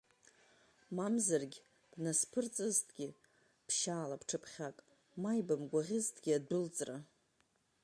Мамзаргь бнасԥырҵызҭгьы ԥшьаала бҽыԥхьак, ма ибымгәаӷьызҭгьы адәылҵра.